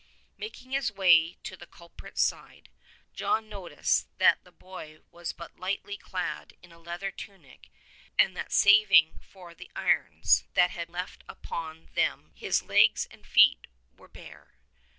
Making his way to the culprit's side, John noticed that the boy was but lightly clad in a leather tunic and that saving for the irons that had been left upon them his legs and feet were bare.